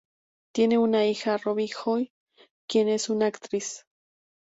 Tienen una hija, Ruby Joy, quien es una actriz.